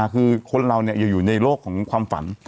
คือคนเรายังอยู่ในโลกของความฝัน